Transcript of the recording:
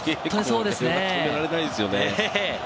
これは止められないですよね。